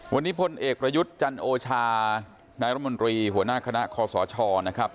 วันนี้พลเอกประยุทธ์จันโอชานายรมนตรีหัวหน้าคณะคอสชนะครับ